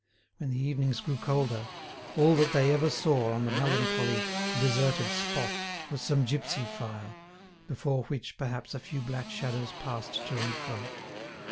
When the evenings grew colder, all that they ever saw on the melancholy, deserted spot was some gipsy fire, before which, perhaps, a few black shadows passed to and fro.